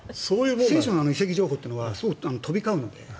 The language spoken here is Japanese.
選手の移籍情報というのが飛び交うので。